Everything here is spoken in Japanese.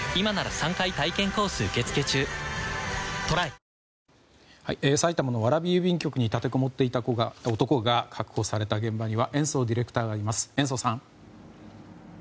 明日に向けての弾みになる一方で埼玉の蕨郵便局に立てこもっていた男が確保された現場には延増ディレクターがいます。